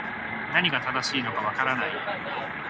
何が正しいのか分からない